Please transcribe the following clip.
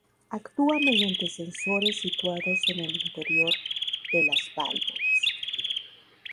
Actúa mediante sensores situados en el interior de las válvulas.